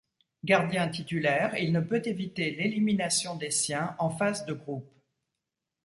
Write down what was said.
Gardien titulaire, il ne peut éviter l'élimination des siens en phase de groupes.